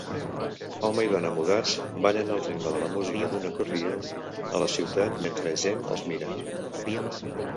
Home i dona mudats ballen al ritme de la música d'un acordió a la ciutat mentre gent els mira.